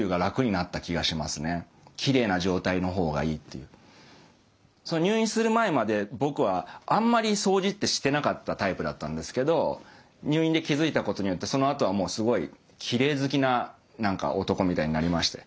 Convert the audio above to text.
そうしたら入院する前まで僕はあんまり掃除ってしてなかったタイプだったんですけど入院で気付いたことによってそのあとはもうすごいきれい好きな男みたいになりまして。